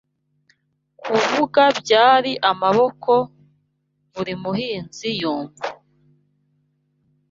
kuvuka byari amaboko, Buri Muhinzi Yumva